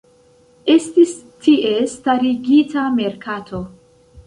Estis tie starigita merkato.